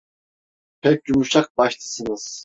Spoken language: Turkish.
Pek yumuşak başlısınız…